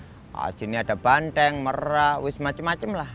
di sini ada banteng merah wiss macem macem lah